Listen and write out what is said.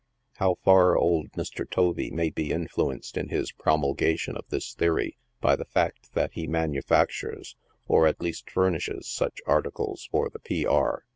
How far old Mr. Tovee may be influenced in his promulgation of this theory, by the fact that he manufactures, or at least furnishes, such articles for the P. R.